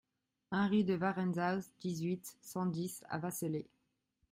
un rue de Werentzhouse, dix-huit, cent dix à Vasselay